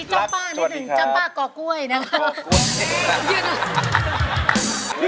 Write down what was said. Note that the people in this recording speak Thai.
จ้าป้ากอกก้วยนะครับ